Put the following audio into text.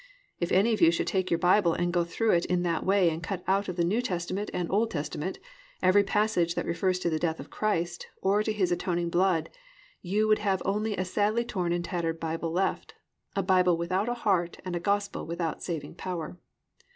If any of you should take your Bible and go through it in that way and cut out of the New Testament and the Old Testament every passage that referred to the death of Christ, or to His atoning blood, you would have only a sadly torn and tattered Bible left, a Bible without a heart and a Gospel without saving power.